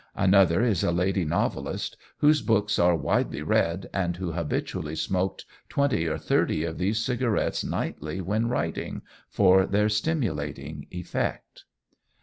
Another is a lady novelist, whose books are widely read, and who habitually smoked twenty or thirty of these cigarettes nightly when writing, for their stimulating effect."